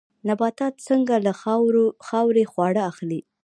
نباتات څنګه له خاورې خواړه اخلي؟